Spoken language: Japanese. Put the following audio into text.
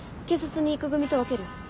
警察に行く組と分ける？